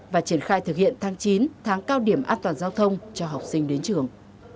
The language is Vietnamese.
và triển khai thực hiện tháng chín tháng cao điểm an toàn giao thông cho học sinh đến trường